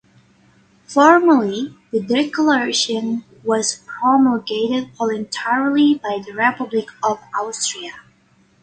Formally, the declaration was promulgated voluntarily by the Republic of Austria.